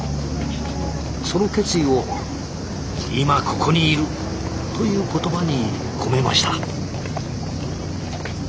その決意を「今ここにいる」という言葉に込めました。